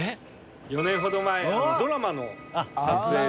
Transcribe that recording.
４年ほど前ドラマの撮影で。